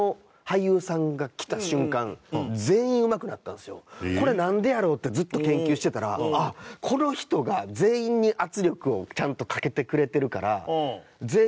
でそのこれなんでやろ？ってずっと研究してたらこの人が全員に圧力をちゃんとかけてくれてるから。